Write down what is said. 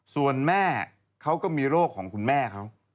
ส่วนแม่เขาก็มีโรคของคุณแม่เขา